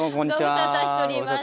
ご無沙汰してます。